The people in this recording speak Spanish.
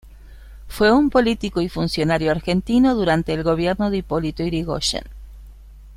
Fue un político y funcionario argentino durante el gobierno de Hipolito Yrigoyen.